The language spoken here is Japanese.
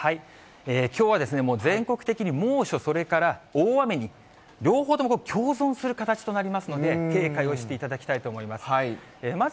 きょうは全国的に猛暑、それから大雨に両方とも共存する形となりますので、警戒をしていただきたいと思います。